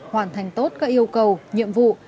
hoàn thành tốt các yêu cầu nhiệm vụ